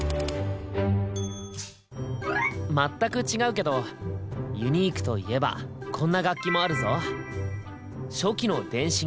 全く違うけどユニークといえばこんな楽器もあるぞ。